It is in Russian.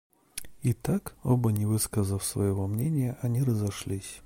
И так, оба не высказав своего мнения, они разошлись.